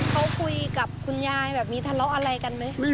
เขาคุยกับคุณยายแบบมีทะเลาะอะไรกันไหม